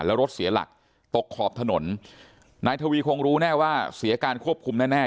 แล้วรถเสียหลักตกขอบถนนนายทวีคงรู้แน่ว่าเสียการควบคุมแน่แน่